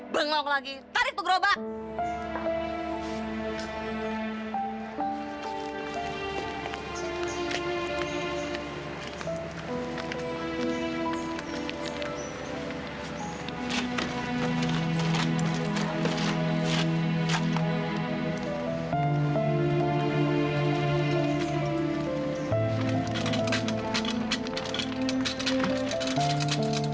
bangong lagi tarik tuh gerobak